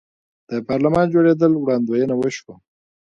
د پارلمان جوړیدل وړاندوینه وشوه.